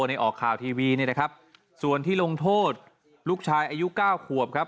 ในออกข่าวทีวีเนี่ยนะครับส่วนที่ลงโทษลูกชายอายุเก้าขวบครับ